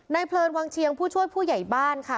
เพลินวังเชียงผู้ช่วยผู้ใหญ่บ้านค่ะ